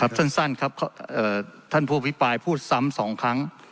ครับท่านสั้นครับท่านอภิปรายพูดซ้ำสองครั้ง